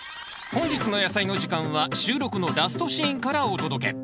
本日の「やさいの時間」は収録のラストシーンからお届け